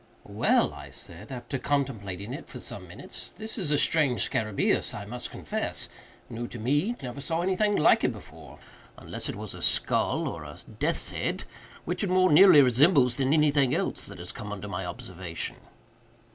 "Well!" I said, after contemplating it for some minutes, "this is a strange scarabæus, I must confess: new to me: never saw anything like it before—unless it was a skull, or a death's head—which it more nearly resembles than anything else that has come under my observation."